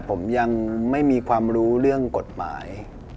ผมยังไม่มีความรู้เรื่องกฎหมาย